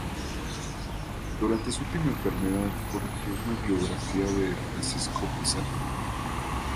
Durante su última enfermedad corrigió una biografía de Francisco Pizarro.